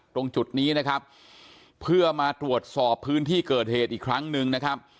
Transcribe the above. ตรงจุดนี้นะครับเพื่อมาตรวจสอบพื้นที่เกิดเหตุอีกครั้งหนึ่งนะครับ